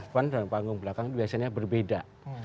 panggung depan dan panggung belakang biasanya berbeda